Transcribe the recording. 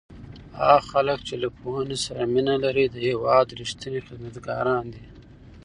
هغه خلک چې له پوهنې سره مینه لري د هېواد رښتیني خدمتګاران دي.